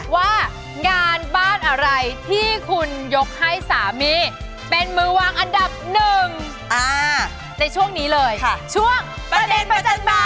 ว่างานบ้านอะไรที่คุณยกให้สามีเป็นมือวางอันดับหนึ่งในช่วงนี้เลยช่วงประเด็นประจันบาล